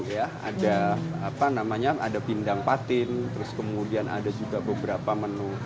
ya ada apa namanya ada pindang patin terus kemudian ada juga beberapa menu